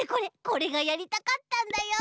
これがやりたかったんだよ。